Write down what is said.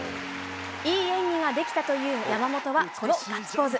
いい演技ができたという山本はこのガッツポーズ。